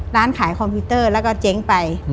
ร้านขายคอมพิวเตอร์แล้วก็เจ๊งไป